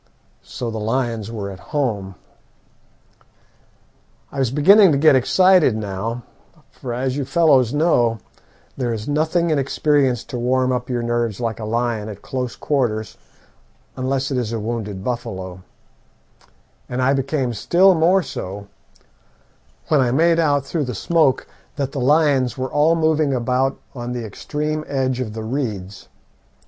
So the lions were at home. "I was beginning to get excited now, for, as you fellows know, there is nothing in experience to warm up your nerves like a lion at close quarters, unless it is a wounded buffalo; and I became still more so when I made out through the smoke that the lions were all moving about on the extreme edge of the reeds.